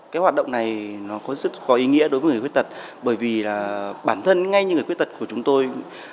cái hoạt động này nó có sức có ý nghĩa đối với người khuyết tật bởi vì là bản thân ngay những người khuyết tật của chúng tôi